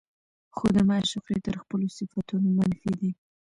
خو د معشوقې تر خپلو صفتونو منفي دي